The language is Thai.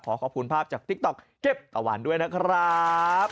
ขอขอบคุณภาพจากติ๊กต๊อกเจ็บตะวันด้วยนะครับ